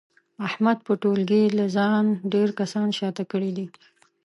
احمد په ټولګي له ځانه ډېر کسان شاته کړي دي.